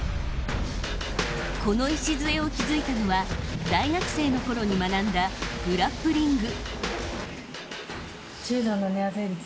この礎を築いたのは大学生のころに学んだグラップリング。